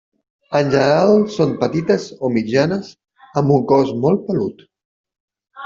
En general són petites o mitjanes amb un cos molt pelut.